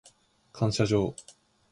感謝状